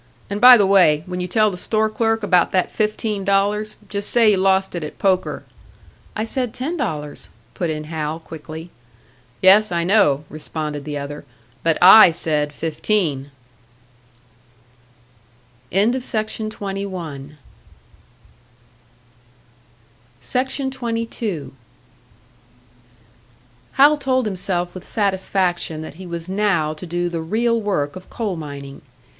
"And by the way, when you tell the store clerk about that fifteen dollars, just say you lost it at poker." "I said ten dollars," put in Hal, quickly. "Yes, I know," responded the other. "But I said fifteen!" SECTION 22. Hal told himself with satisfaction that he was now to do the real work of coal mining.